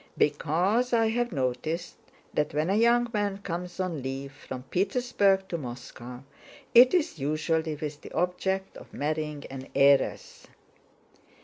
"Because I have noticed that when a young man comes on leave from Petersburg to Moscow it is usually with the object of marrying an heiress."